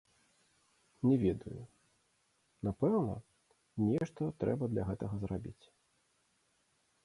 Не ведаю, напэўна, нешта трэба для гэтага зрабіць?